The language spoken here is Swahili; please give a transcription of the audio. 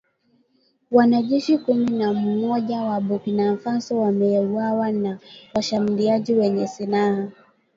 Wanajeshi kumi na mmoja wa Burkina Faso wameuawa na washambuliaji wenye silaha